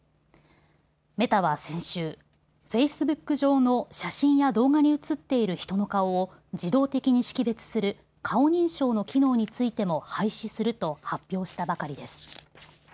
メタは先週、フェイスブック上の写真や動画に写っている人の顔を自動的に識別する顔認証の機能についても廃止すると発表したばかりです。